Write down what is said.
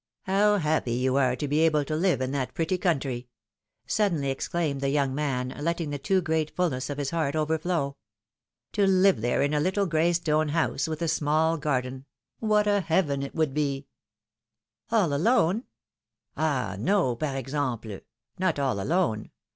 '' How happy you are to be able to live in that pretty country!" suddenly exclaimed the young man, letting the too great fulness of his heart overflow. ^^To live there in a little gray stone house, with a small garden — what a heaven it would be! —" ^^All alone ?" ^^Ah ! no, par example ! not all alone